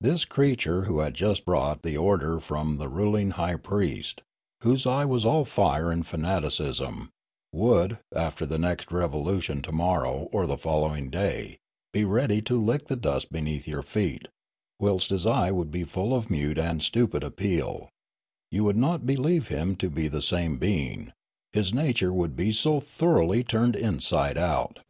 This creature who had just brought the order from the ruling high priest, whose eye was all fire and fanaticism, would, after the next rev^olution to morrow or the following day, be ready to lick the dust beneath your feet, whilst his eye would be full of mute and stupid appeal ; you would not be lieve him to be the same being, his nature would be so thoroughly turned inside out.